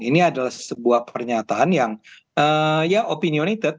ini adalah sebuah pernyataan yang ya opinionited